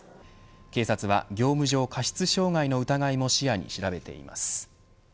警察は、業務上過失傷害の疑いも視野に調べています。